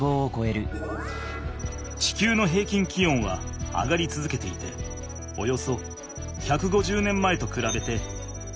地球の平均気温は上がりつづけていておよそ１５０年前とくらべて１．１℃